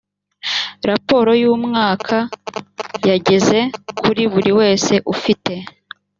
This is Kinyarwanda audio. raporo y umwaka yageze kuri buri wese ufite